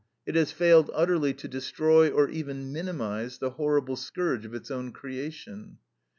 It has failed utterly to destroy or even minimize the horrible scourge of its own creation.